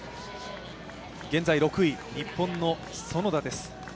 現在６位、日本の園田です。